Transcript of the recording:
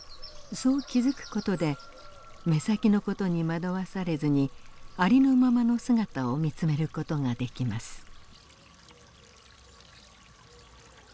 そう気づく事で目先の事に惑わされずにありのままの姿を見つめる事ができます。